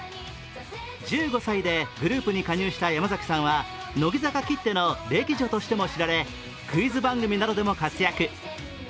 １５歳でグループに加入した山崎さんは乃木坂きっての歴女としても知られ、クイズ番組などでも活躍。